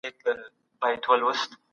د يرموک په جګړه کي مسلمانانو عدل وکړ.